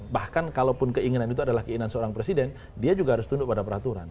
bahkan kalaupun keinginan itu adalah keinginan seorang presiden dia juga harus tunduk pada peraturan